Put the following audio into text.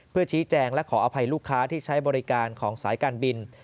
เพื่อชี้แจงและขออภัยลูกค้าที่ใช้บริการของสายการบิน